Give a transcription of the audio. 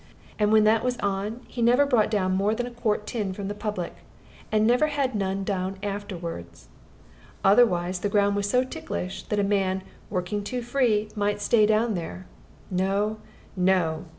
And when that was on, he never brought down more than the quart tin from the public; and never had none down afterward. Otherwise the ground was so ticklish, that a man, working too free, might stay down there. No, no!